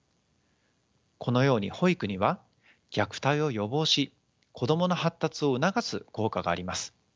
このように保育には虐待を予防し子どもの発達を促す効果があります。